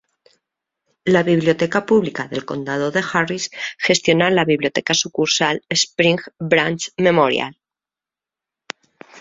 La Biblioteca Pública del Condado de Harris gestiona la Biblioteca Sucursal Spring Branch Memorial.